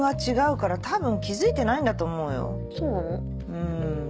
うん。